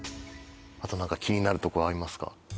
あと何か気になるとこありますか？